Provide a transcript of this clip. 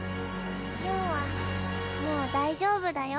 ヒュンはもう大丈夫だよ。